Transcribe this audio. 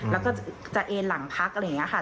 แล้วก็จะเอ็นหลังพักอะไรอย่างนี้ค่ะ